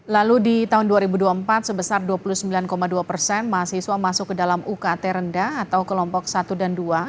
lalu di tahun dua ribu dua puluh empat sebesar dua puluh sembilan dua persen mahasiswa masuk ke dalam ukt rendah atau kelompok satu dan dua